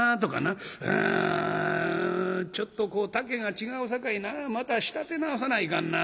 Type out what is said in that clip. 『うんちょっとこう丈が違うさかいなまた仕立て直さないかんな。